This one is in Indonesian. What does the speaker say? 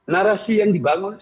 narasi yang dibangun